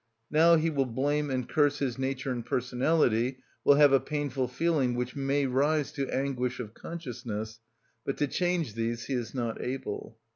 Now he will blame and curse his nature and personality, will have a painful feeling, which may rise to anguish of consciousness, but to change these he is not able.